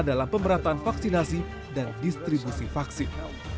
dalam pemerataan vaksinasi dan distribusi vaksin